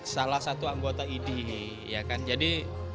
salah satu anggota idi